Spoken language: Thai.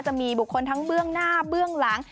จะมีบุคคลทั้งเบื้องหน้าเบื้องหลัง